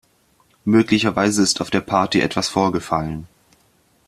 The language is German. Möglicherweise ist auf der Party etwas vorgefallen.